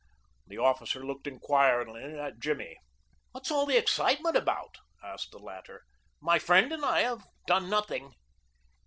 The officer looked inquiringly at Jimmy. "What's all the excitement about?" asked the latter. "My friend and I have done nothing."